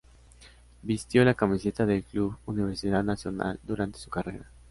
Vistió la camiseta del Club Universidad Nacional durante su carrera.